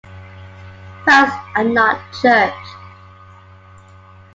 Bouts are not judged.